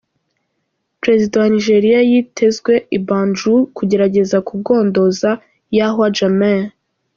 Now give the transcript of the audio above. Prezida wa Nigeria yitezwe i Banjul kugerageza kugondoza Yahya Jammeh.